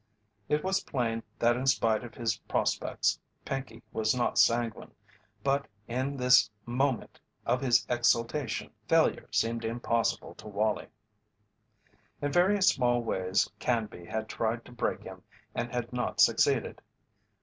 It was plain that in spite of his prospects Pinkey was not sanguine, but in this moment of his exultation failure seemed impossible to Wallie. In various small ways Canby had tried to break him and had not succeeded.